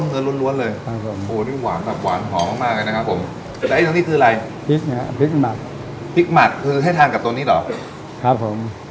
เอาละครับเรามาชิมกุโดเหนือกาไดตำนายกันนะครับผม